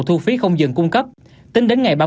thu phí không dừng cung cấp tính đến ngày